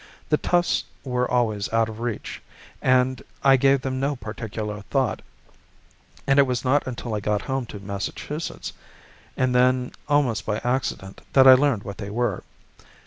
The tufts were always out of reach, and I gave them no particular thought; and it was not until I got home to Massachusetts, and then almost by accident, that I learned what they were.